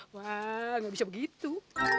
wah nggak bisa begitu